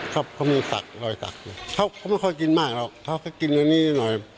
ครับเขามีสักรอยสักเขาเขาไม่ค่อยกินมากหรอกเขาก็กินอันนี้หน่อย